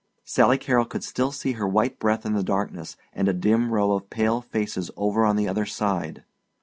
Sally Carrol could still see her white breath in the darkness, and a dim row of pale faces over on the other side.